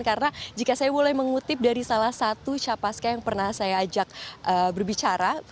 karena jika saya boleh mengutip dari salah satu capasca yang pernah saya ajak berbicara